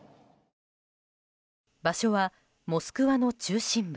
場所はモスクワの中心部。